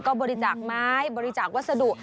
ก็บริจาคไม้บริจาควัสดุ